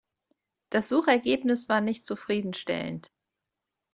Das Suchergebnis war nicht zufriedenstellend.